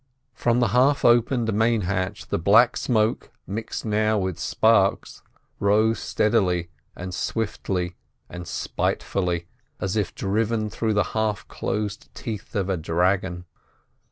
From the half opened main hatch the black smoke, mixed now with sparks, rose steadily and swiftly and spitefully, as if driven through the half closed teeth of a dragon.